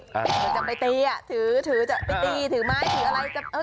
เหมือนจะไปตีถือจะไปตีถือไม้ถืออะไร